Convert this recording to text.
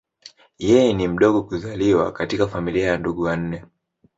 Yeye ni mdogo kuzaliwa katika familia ya ndugu wanne.